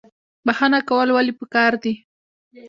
بخښنه کول ولې پکار دي؟